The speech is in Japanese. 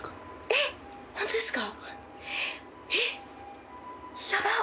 えっホントですか？